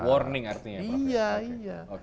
warning artinya ya pak iya iya